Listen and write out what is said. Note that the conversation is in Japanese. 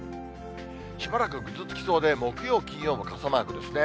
しばらくぐずつきそうで、木曜、金曜も傘マークですね。